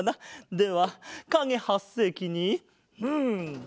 ではかげはっせいきにん。